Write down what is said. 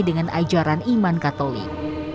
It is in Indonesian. dengan ajaran iman katolik